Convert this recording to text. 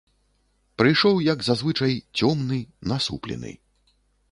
Прыйшоў, як зазвычай, цёмны, насуплены.